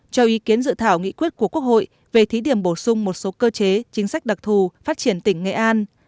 cho ý kiến dự thảo nghị quyết của quốc hội về thí điểm bổ sung một số cơ chế chính sách đặc thù phát triển tỉnh nghệ an